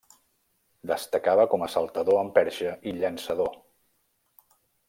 Destacava com a saltador amb perxa i llançador.